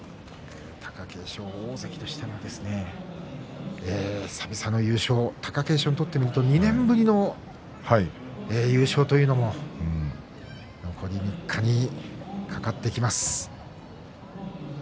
大関としては久々の優勝貴景勝にとってみると２年ぶりの優勝というのも残り３日に懸かってきます。